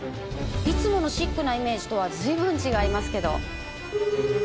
いつものシックなイメージとは随分違いますけど。